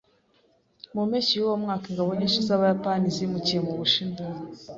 Mu mpeshyi yuwo mwaka, ingabo nyinshi z’Abayapani zimukiye mu Bushinwa.